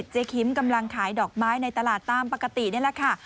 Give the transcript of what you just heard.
คิมกำลังขายดอกไม้ในตลาดตามปกตินี่แหละค่ะ